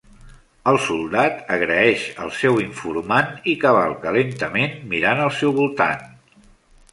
El soldat agraeix al seu informant i cavalca lentament, mirant al seu voltant.